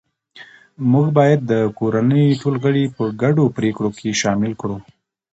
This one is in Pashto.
موږ باید د کورنۍ ټول غړي په ګډو پریکړو کې شامل کړو